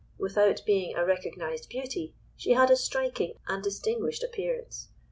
Without being a recognised beauty, she had a striking and distinguished appearance.